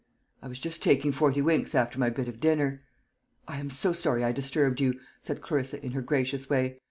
"I was just taking forty winks after my bit of dinner." "I am so sorry I disturbed you," said Clarissa, in her gracious way.